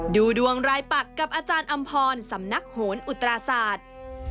ดูดวงรายปักกับอาจารย์อำพรสำนักโหนอุตราศาสตร์